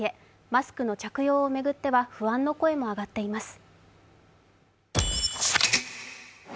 マスクの着用を巡っては不安の声も上がっています。